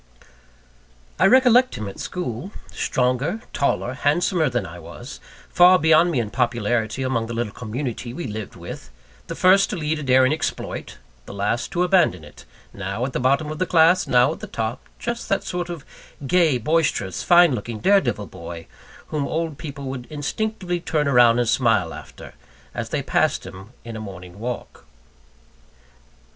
I recollect him at school stronger, taller, handsomer than I was; far beyond me in popularity among the little community we lived with; the first to lead a daring exploit, the last to abandon it; now at the bottom of the class, now at the top just that sort of gay, boisterous, fine looking, dare devil boy, whom old people would instinctively turn round and smile after, as they passed him by in a morning walk.